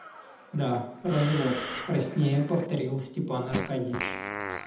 Да, развод, — краснея повторил Степан Аркадьич.